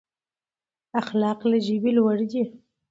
اخلاق له ژبې لوړ دي.